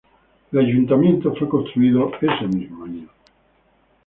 El ayuntamiento fue construido ese mismo año.